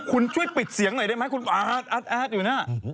คุณช่วยปิดเสียงหน่อยได้ไหมคุณอาร์ตแอดอยู่นะ